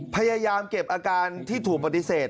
พยายามเก็บอาการที่ถูกปฏิเสธ